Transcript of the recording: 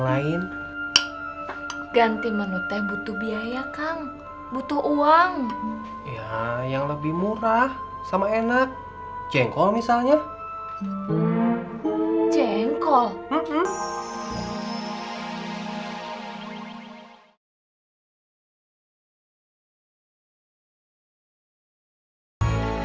lain ganti menu teh butuh biaya kang butuh uang yang lebih murah sama enak jengkol misalnya jengkol